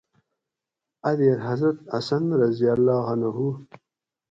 اۤ دیر حضرت حسن رضی اللّٰہ عنہُ